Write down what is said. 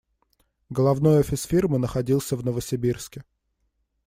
Головной офис фирмы находился в Новосибирске.